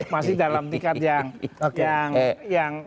masih dalam tingkat yang